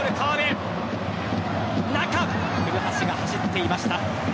中、古橋が走っていました。